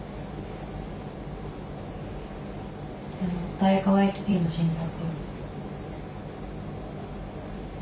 タイカ・ワイティティの新作。